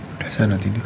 udah sana tidur